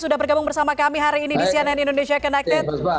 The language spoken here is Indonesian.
sudah bergabung bersama kami hari ini di cnn indonesia connected